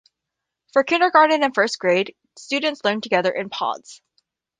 For kindergarten and first grade, students learn together in "Pods".